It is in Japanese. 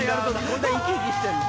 こんな生き生きしてんの？